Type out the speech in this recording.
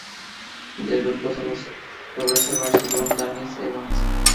Del grupo solo logró salvarse John Daniel Evans.